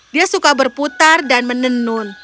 dia suka berputar dan menenun